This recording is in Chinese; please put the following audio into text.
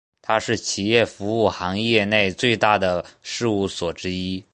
它是企业服务行业内最大的事务所之一。